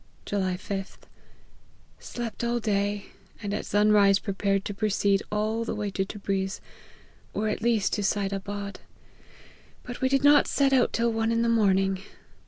" July 5th. Slept all day, and at sun rise pre pared to proceed all the way to Tebriz, or at least to Seid Abad ; but we did not set out till one in the morning.